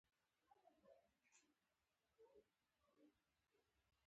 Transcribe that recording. کروندګر د حاصل د ویش لپاره زحمت باسي